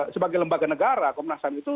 sebagai lembaga negara komnas ham itu